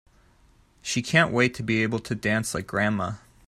She can't wait to be able to dance like grandma!